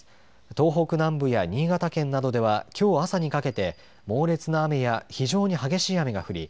東北南部や新潟県などではきょう朝にかけて猛烈な雨や非常に激しい雨が降り